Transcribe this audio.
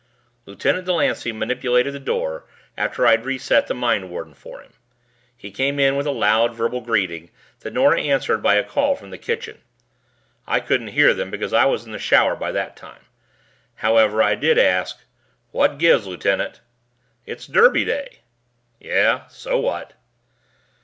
Lieutenant Delancey manipulated the door after I'd reset the mindwarden for him. He came in with a loud verbal greeting that Nora answered by a call from the kitchen. I couldn't hear them because I was in the shower by that time. However, I did ask, "What gives, lieutenant?" "It's Derby Day." "Yeah. So what?"